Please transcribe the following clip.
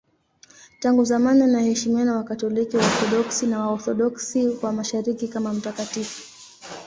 Tangu zamani anaheshimiwa na Wakatoliki, Waorthodoksi na Waorthodoksi wa Mashariki kama mtakatifu.